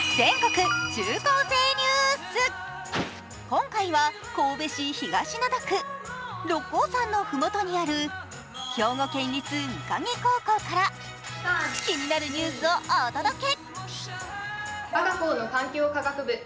今回は神戸市東灘区六甲山のふもとにある兵庫県立御影高校から気になるニュースをお届け。